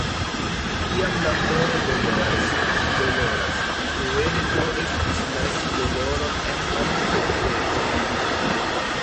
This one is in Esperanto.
Kiam la koro doloras, ĝi doloras, kruele do estus lasi doloron en malcerteco.